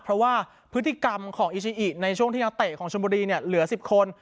เพราะว่าพฤติกรรมของอิชิอิในช่วงที่ยังเตะของชมบุรีเนี่ยเหลือ๑๐คน